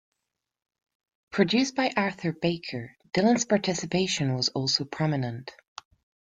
Produced by Arthur Baker, Dylan's participation was also prominent.